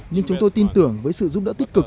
nhưng chúng tôi tin tưởng với sự giúp đỡ tích cực